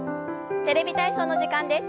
「テレビ体操」の時間です。